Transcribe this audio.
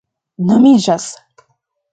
nomiĝas